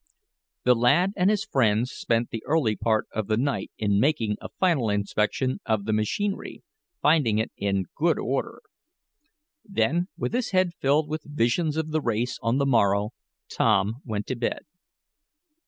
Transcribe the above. The lad and his friends spent the early part of the night in making a final inspection of the machinery, finding it in good order. Then, with his head filled with visions of the race on the morrow Tom went to bed.